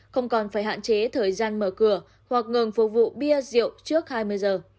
không còn phải hạn chế thời gian mở cửa hoặc ngừng phục vụ bia rượu trước hai mươi giờ